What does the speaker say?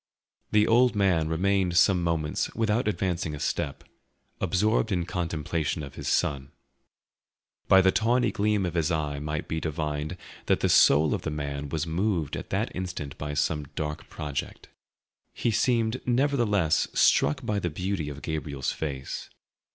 The old man remained some moments without advancing a step, absorbed in contemplation of his son. By the tawny gleam of his eye might be divined that the soul of the man was moved at that instant by some dark project. He seemed nevertheless struck by the beauty of Gabriel's face.